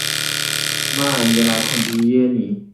马尔尼莱孔皮耶尼。